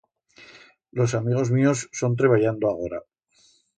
Los amigos míos son treballando agora.